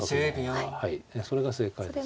それが正解ですね。